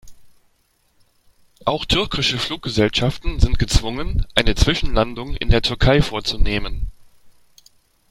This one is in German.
Auch türkische Fluggesellschaften sind gezwungen, eine Zwischenlandung in der Türkei vorzunehmen.